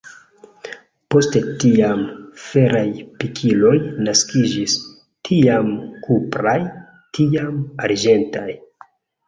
Post tiam, feraj pikiloj naskiĝis, tiam kupraj, tiam arĝentaj.